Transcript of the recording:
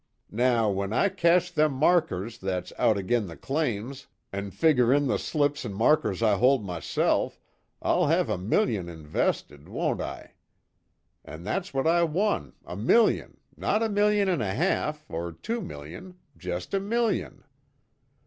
Now when I cash them markers that's out agin the claims, an' figger in the slips an' markers I hold myself, I'll have a million invested, won't I? An', that's what I won a million not a million an' a half, or two million just a million.